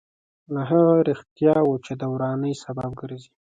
له هغه رښتیاوو چې د ورانۍ سبب ګرځي.